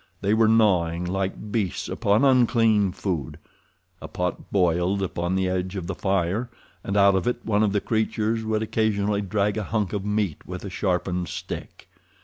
They were gnawing, like beasts, upon unclean food. A pot boiled upon the edge of the fire, and out of it one of the creatures would occasionally drag a hunk of meat with a sharpened stick.